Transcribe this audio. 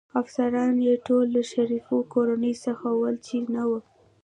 افسران يې ټول له شریفو کورنیو څخه ول، چې نه و.